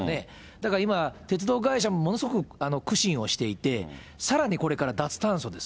だから今、鉄道会社もものすごく苦心をしていて、さらにこれから脱炭素です。